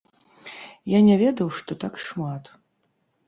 Я не ведаў, што так шмат.